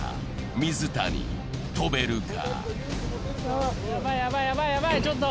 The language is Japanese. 水谷、飛べるか。